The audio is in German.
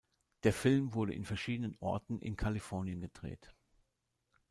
Der Film wurde in verschiedenen Orten in Kalifornien gedreht.